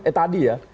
eh tadi ya